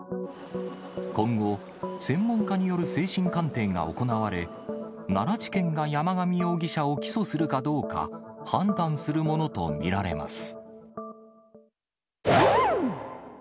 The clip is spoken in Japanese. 今後、専門家による精神鑑定が行われ、奈良地検が山上容疑者を起訴するかどうか、判断するものと見られます。